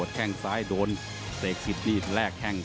และก็เปิดเกมนะครับ